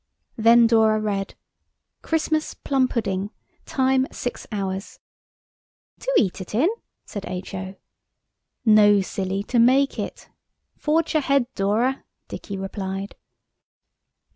Then Dora read– "'Christmas plum pudding. Time six hours.'" "To eat it in?" said H.O. "No, silly! to make it." "Forge ahead, Dora," Dicky replied.